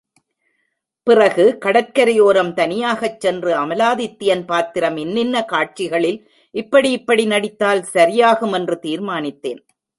பிறகு கடற்கரையோரம் தனியாகச் சென்று, அமலாதித்யன் பாத்திரம் இன்னின்ன காட்சிகளில் இப்படி இப்படி நடித்தால் சரியாகுமென்று தீர்மானித்தேன்.